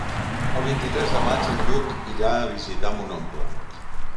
El vint-i-tres de maig en Lluc irà a visitar mon oncle.